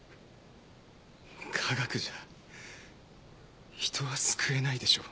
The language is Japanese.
科学じゃ人は救えないでしょ。